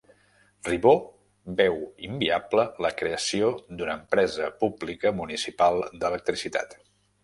Ribó veu inviable la creació d'una empresa pública municipal d'electricitat